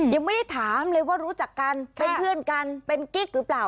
ยังไม่ได้ถามเลยว่ารู้จักกันเป็นเพื่อนกันเป็นกิ๊กหรือเปล่า